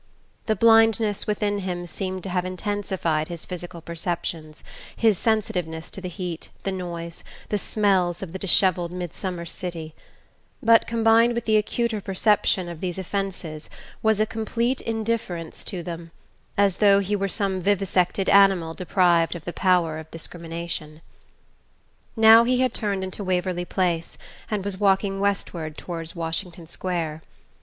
The blindness within him seemed to have intensified his physical perceptions, his sensitiveness to the heat, the noise, the smells of the dishevelled midsummer city; but combined with the acuter perception of these offenses was a complete indifference to them, as though he were some vivisected animal deprived of the power of discrimination. Now he had turned into Waverly Place, and was walking westward toward Washington Square.